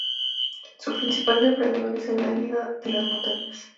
Su principal depredador es el águila de las montañas.